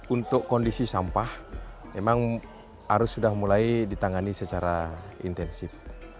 untuk kondisi sampah memang arus sudah mulai ditangani secara intensif